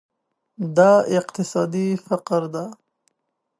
دا اقتصادي فقر ده.